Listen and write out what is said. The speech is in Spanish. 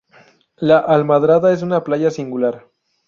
La Almadraba es una playa singular.